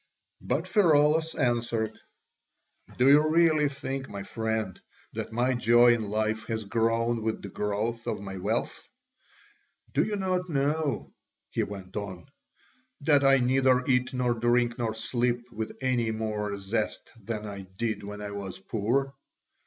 But Pheraulas answered: "Do you really think, my friend, that my joy in life has grown with the growth of my wealth? Do you not know," he went on, "that I neither eat nor drink nor sleep with any more zest than I did when I was poor?